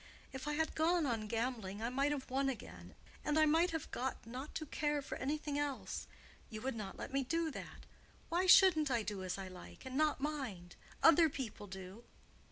If I had gone on gambling I might have won again, and I might have got not to care for anything else. You would not let me do that. Why shouldn't I do as I like, and not mind? Other people do."